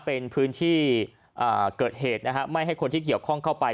เป็นพื้นที่เกิดเหตุนะฮะไม่ให้คนที่เกี่ยวข้องเข้าไป